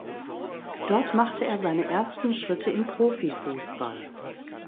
Dort machte er seine ersten Schritte im Profifußball.